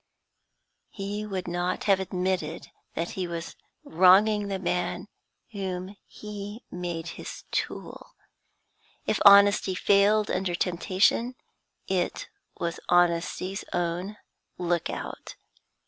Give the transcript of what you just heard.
He would not have admitted that he was wronging the man whom he made his tool; if honesty failed under temptation it was honesty's own look out.